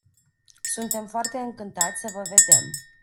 Suntem foarte încântați să vă vedem.